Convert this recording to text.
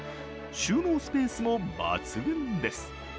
収納スペースも抜群です。